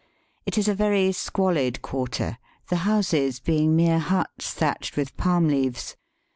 It is a very squahd quarter, the houses being mere huts thatched with palms leaves.